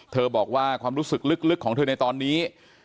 บอกว่าความรู้สึกลึกของเธอในตอนนี้